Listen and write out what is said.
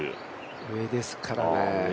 上ですからね。